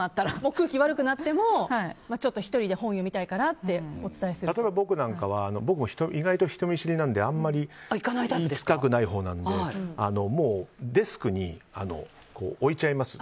空気悪くなっても１人で本読みたいからって僕も意外と人見知りなのであまり行きたくないほうなのでもうデスクに置いちゃいます。